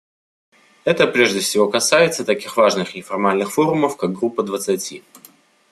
Это прежде всего касается таких важных неформальных форумов, как Группа двадцати.